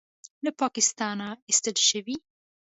له پاکستانه ایستل شوی